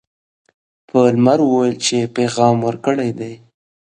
پالمر ویل چې پیغام ورکړی دی.